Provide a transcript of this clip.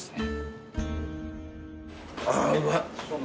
あうまい。